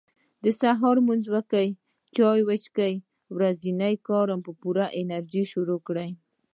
سهار لمونځ وکړه چاي وڅښه ورځني کار په پوره انرژي شروع کړه